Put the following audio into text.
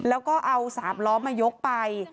แล้วก็เอา๓ล้อมายกไป